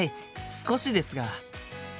少しですが。